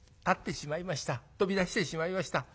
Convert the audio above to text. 飛び出してしまいました。